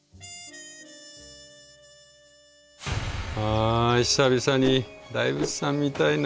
あ久々に大仏さん見たいな。